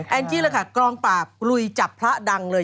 งจี้เลยค่ะกองปราบลุยจับพระดังเลย